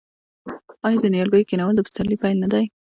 آیا د نیالګیو کینول د پسرلي پیل نه دی؟